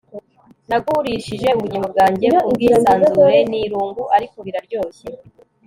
nagurishije ubugingo bwanjye kubwisanzure. ni irungu ariko biraryoshye